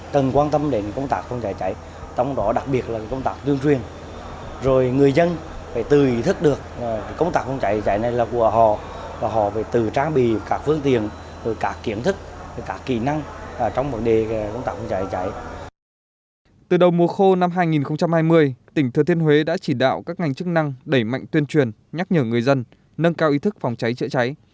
từ đầu mùa khô năm hai nghìn hai mươi tỉnh thừa thiên huế đã chỉ đạo các ngành chức năng đẩy mạnh tuyên truyền nhắc nhở người dân nâng cao ý thức phòng cháy chữa cháy